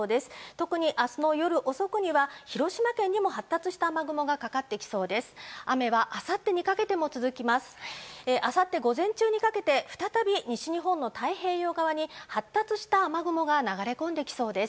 特に明日の夜遅くには広島県にも発達した雨雲がかかってきそうです。